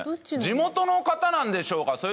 地元の方なんでしょうか。